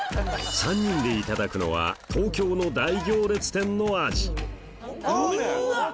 ３人でいただくのは東京の大行列店の味うわ！